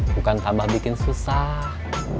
bukan tambah bikin susah